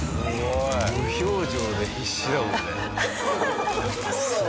無表情で必死だもんね。